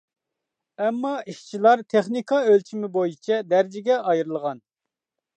ئەمما ئىشچىلار تېخنىكا ئۆلچىمى بويىچە دەرىجىگە ئايرىلغان.